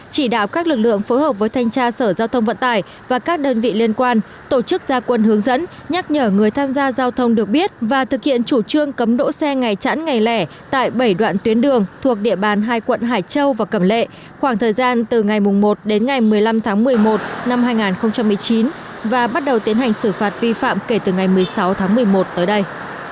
chỉ đạo các lực lượng phối hợp với thanh tra sở giao thông vận tài và các đơn vị liên quan tổ chức gia quân hướng dẫn nhắc nhở người tham gia giao thông được biết và thực hiện chủ trương cấm đỗ xe ngày chẵn ngày lẻ tại bảy đoạn tuyến đường thuộc địa bàn hai quận hải châu và cầm lệ khoảng thời gian từ ngày một đến ngày một mươi năm tháng một mươi một năm hai nghìn một mươi chín và bắt đầu tiến hành xử phạt vi phạm kể từ ngày một mươi sáu tháng một mươi một tới đây